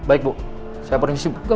baik bu saya penuh istimewa